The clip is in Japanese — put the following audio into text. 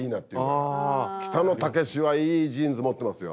北野武はいいジーンズ持ってますよ。